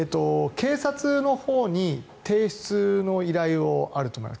警察のほうに提出の依頼があると思います。